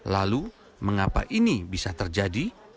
lalu mengapa ini bisa terjadi